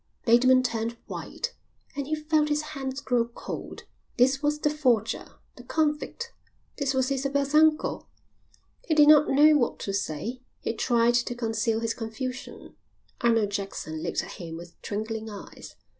Bateman turned white and he felt his hands grow cold. This was the forger, the convict, this was Isabel's uncle. He did not know what to say. He tried to conceal his confusion. Arnold Jackson looked at him with twinkling eyes.